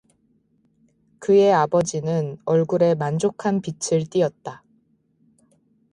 그의 아버지는 얼굴에 만족한 빛을 띠었다.